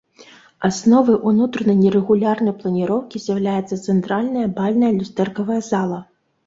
Асновай унутранай нерэгулярнай планіроўкі з'яўлялася цэнтральная бальная люстэркавая зала.